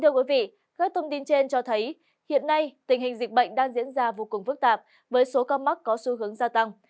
các thông tin trên cho thấy hiện nay tình hình dịch bệnh đang diễn ra vô cùng phức tạp với số ca mắc có xu hướng gia tăng